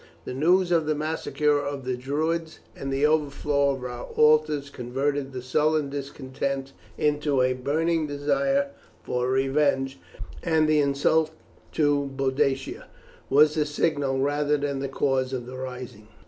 The news of the massacre of the Druids and the overthrow of our altars converted the sullen discontent into a burning desire for revenge, and the insult to Boadicea was the signal rather than the cause of the rising.